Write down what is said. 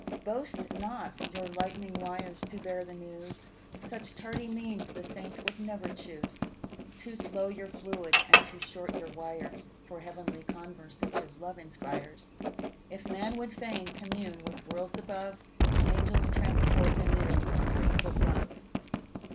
Boast not your lightning wires to bear the news, Such tardy means the Saints would never choose; Too slow your fluid, and too short your wires For heavenly converse, such as love inspires. If man would fain commune with worlds above, Angels transport the news on wings of love.